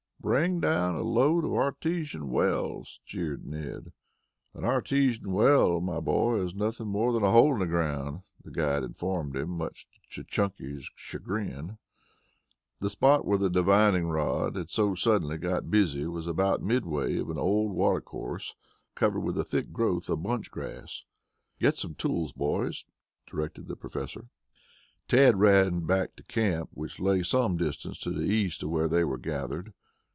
"Bring down a load of artesian wells!" jeered Ned. "An artesian well, my boy, is nothing more than a hole in the ground," the guide informed him, much to Chunky's chagrin. The spot where the divining rod had so suddenly gotten busy was about midway of an old water course, covered with a thick growth of bunch grass. "Get some tools, boys," directed the Professor. Tad ran back to camp, which lay some distance to the east of where they were gathered.